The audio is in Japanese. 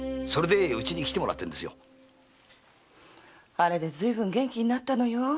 あれでずいぶん元気になったのよ